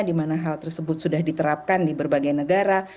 dimana hal tersebut sudah diterapkan di berbagai negara